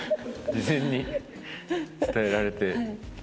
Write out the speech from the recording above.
事前に伝えられて。